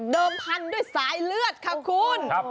เดิมพันธุ์ด้วยสายเลือดค่ะคุณครับ